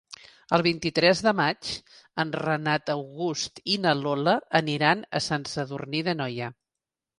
El vint-i-tres de maig en Renat August i na Lola aniran a Sant Sadurní d'Anoia.